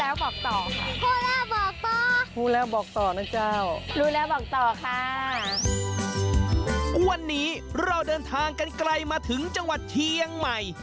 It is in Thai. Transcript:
วันนี้เราเดินทางกันไกลมาถึงจังหวัดเชียงใหม่